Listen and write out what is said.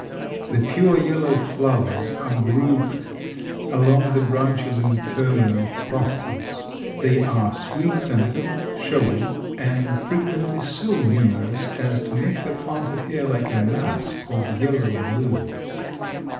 The pure yellow flowers are grouped along the branches in terminal clusters. They are sweet scented, showy and frequently so numerous as to make the plant appear like a mass of yellow blooms.